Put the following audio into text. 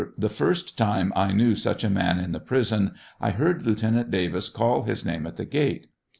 The first time I knew such a man in the prison I heard Lieutenant Davis call his name at the gate.